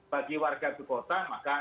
bagi warga ibu kota maka